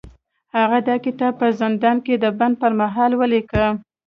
هغه دا کتاب په زندان کې د بند پر مهال ولیکه